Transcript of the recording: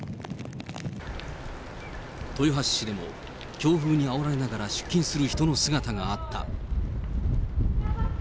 豊橋市でも強風にあおられながら出勤する人の姿があった。